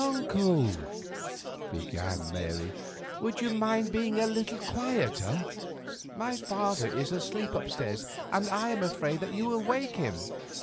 "Uncle," began Mary, "would you mind being a little quieter? My father is asleep upstairs, and I am afraid that you will wake him."